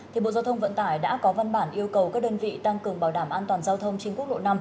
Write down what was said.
thì bộ giao thông vận tải đã có văn bản yêu cầu các đơn vị tăng cường bảo đảm an toàn giao thông trên quốc lộ năm